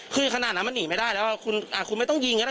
คือขนาดนั้นมันหนีไม่ได้แล้วคุณไม่ต้องยิงก็ได้